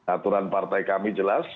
aturan partai kami jelas